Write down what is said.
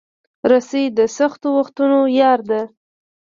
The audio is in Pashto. رسۍ د سختو وختونو یار ده.